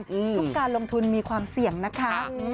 ทุกการลงทุนมีความเสี่ยงนะคะ